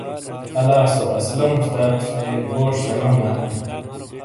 الا سو اسلم استاد سے گوش سنؤ دا؟